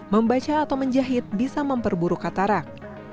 membaca atau menjahit bisa memperburu katarak